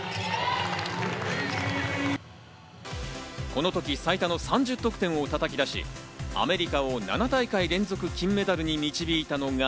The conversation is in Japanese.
このとき最多の３０得点をたたき出し、アメリカを７大会連続、金メダルに導いたのが